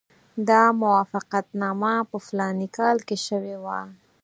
دا موافقتنامه په فلاني کال کې شوې وه.